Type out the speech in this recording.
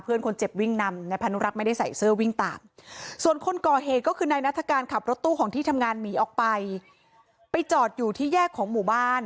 เป็นคนเจ็บวิ่งนำและพรนุรักษ์ไม่ได้ใส่เสื้อวิ่งตาม